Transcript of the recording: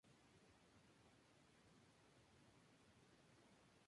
Desde muy niño aprendió a andar a caballo decidiendo dedicarse a ellos.